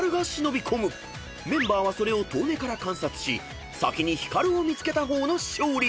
［メンバーはそれを遠目から観察し先に光を見つけた方の勝利］